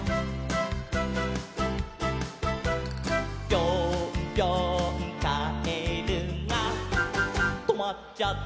「ぴょんぴょんカエルがとまっちゃった」